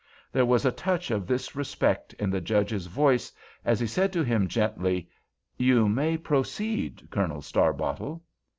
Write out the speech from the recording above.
There was a touch of this respect in the Judge's voice as he said to him, gently, "You may proceed, Colonel Starbottle."